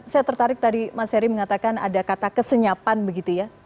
saya tertarik tadi mas heri mengatakan ada kata kesenyapan begitu ya